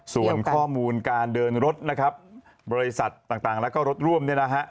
ส่วนข้อมูลการเดินรถนะครับบริษัทต่างแล้วก็รถร่วมเนี่ยนะฮะ